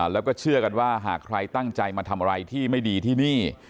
แล้วก็เชื่อกันว่าหากใครตั้งใจมาทำอะไรที่ไม่ดีที่นี่